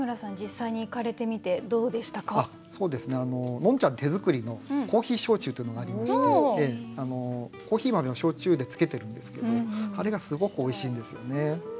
のんちゃん手作りのコーヒー焼酎というのがありましてコーヒー豆を焼酎でつけてるんですけどあれがすごくおいしいんですよね。